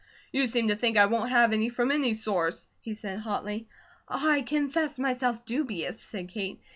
"You seem to think I won't have any from any source," he said hotly. "I confess myself dubious," said Kate.